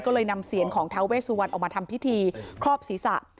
ก็เลยนำเสียนของท้าเวสุวรรณออกมาทำพิธีครอบศีรษะ